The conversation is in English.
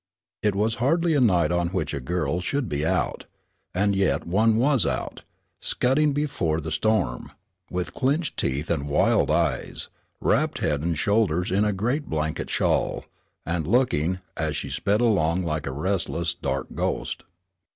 It was hardly a night on which a girl should be out. And yet one was out, scudding before the storm, with clenched teeth and wild eyes, wrapped head and shoulders in a great blanket shawl, and looking, as she sped along like a restless, dark ghost.